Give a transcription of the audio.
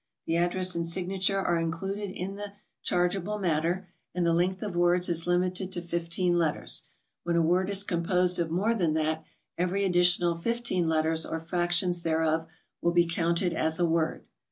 The address and signature are included in the SOMEWHAT FINANCIAL 215 charg'eable matter, and the length of words is limited to fif teen letters; when a word is composed of more t'han that, every additional fifteen letters or fractions thereOif will be counted as a word.